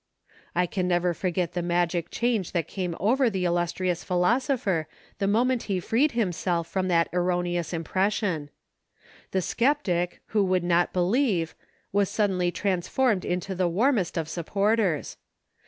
I can never forget the magic change that came over the illustrious philosopher the moment he freed himself from that erroneous impression. The skep tic who would not believe was suddenly transformed into the warmest of support ers.